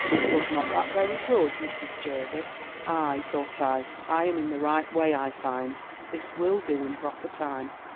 Was not that very good, Mrs. Jervis?' 'Ay,' thought I, 'I am in the right way, I find: this will do in proper time.